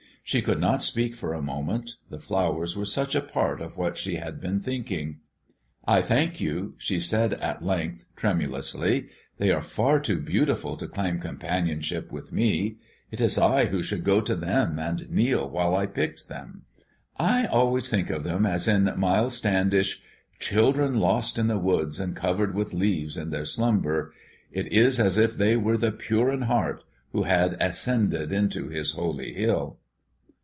She could not speak for a moment, the flowers were such a part of what she had been thinking. "I thank you," she said at length, tremulously. "They are far too beautiful to claim companionship with me. It is I who should go to them and kneel while I picked them." "I always think of them as in 'Miles Standish': Children lost in the woods and covered with leaves in their slumber. It is as if they were the pure in heart, who had ascended into His holy hill."